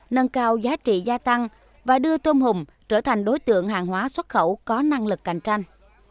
nâng cao giá trị gia tăng và đưa tôm hùm trở thành đối tượng hàng hóa xuất khẩu có năng lực cạnh tranh